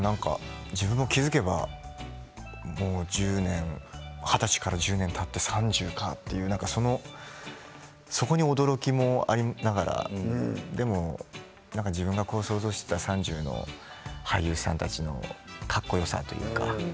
自分も気付けばもう１０年二十歳から１０年たって３０歳かとそこに驚きもありながら自分が想像していた３０の俳優さんたちのかっこよさというか